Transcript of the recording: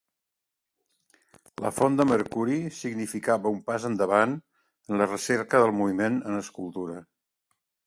La Font de mercuri significava un pas endavant en la recerca del moviment en escultura.